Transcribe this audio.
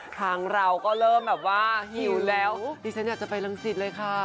ทางเราก็เริ่มแบบว่าหิวแล้วดิฉันอยากจะไปรังสิตเลยค่ะ